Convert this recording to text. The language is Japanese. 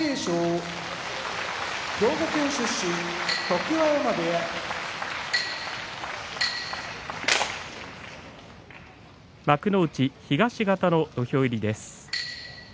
常盤山部屋幕内東方の土俵入りです。